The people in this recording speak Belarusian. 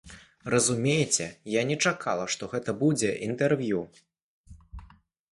Разумееце, я не чакала, што гэта будзе інтэрв'ю.